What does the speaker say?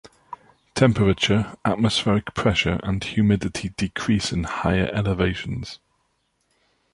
Temperature, atmospheric pressure and humidity decrease in higher elevations.